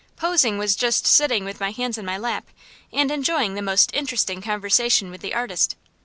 Posing was just sitting with my hands in my lap, and enjoying the most interesting conversation with the artist.